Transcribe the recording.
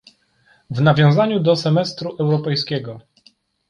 W nawiązaniu do semestru europejskiego